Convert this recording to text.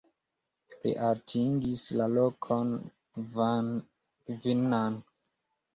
Li atingis la lokon kvinan.